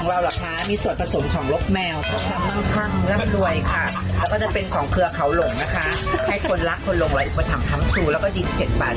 โอ้โฮแม่ค้าเหมือนแม่ค้า